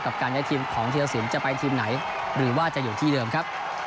การย้ายทีมของธีรสินจะไปทีมไหนหรือว่าจะอยู่ที่เดิมครับ